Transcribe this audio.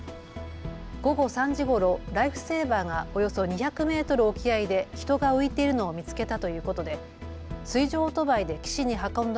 午後３時ごろライフセーバーがおよそ２００メートル沖合で人が浮いているのを見つけたということで水上オートバイで岸に運んだ